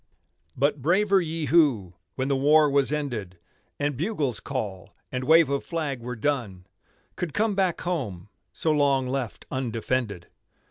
But braver ye who, when the war was ended, And bugle's call and wave of flag were done, Could come back home, so long left undefended.